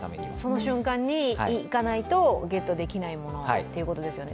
その瞬間に行かないとゲットできないものということですよね。